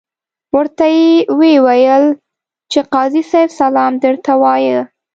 ورته ویې ویل چې قاضي صاحب سلام درته وایه.